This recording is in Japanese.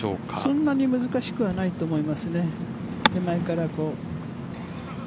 そんなに難しくはないと思いますね。